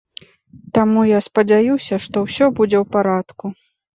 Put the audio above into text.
Таму я спадзяюся, што ўсё будзе ў парадку.